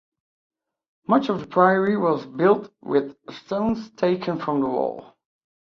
Much of the Priory was built with stones taken from the Wall.